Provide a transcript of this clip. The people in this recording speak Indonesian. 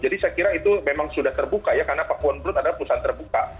jadi saya kira itu memang sudah terbuka ya karena pakuwon group adalah pusat terbuka